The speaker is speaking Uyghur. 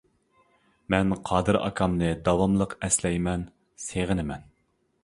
مەن قادىر ئاكامنى داۋاملىق ئەسلەيمەن، سېغىنىمەن.